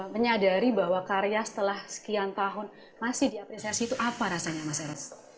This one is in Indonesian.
menyadari bahwa karya setelah sekian tahun masih diapresiasi itu apa rasanya mas eras